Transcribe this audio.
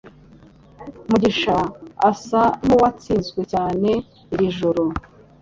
Mugisha asa nkuwatsinzwe cyane iri joro